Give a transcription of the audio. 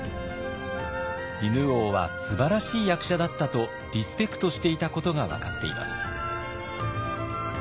犬王はすばらしい役者だったとリスペクトしていたことが分かっています。